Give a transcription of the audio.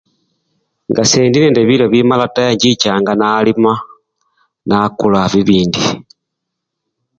Nga sendi nende bilyo bimala taa inchichanga nalima nakula bibindi.